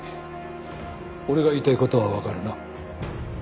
俺が言いたい事はわかるな？